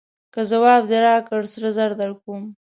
که ځواب دې راکړ سره زر درکوم.